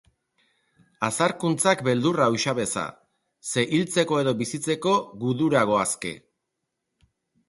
Azarkuntzak beldurra uxa beza, ze hiltzeko edo bizitzeko gudura goazke.